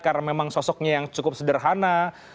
karena memang sosoknya yang cukup sederhana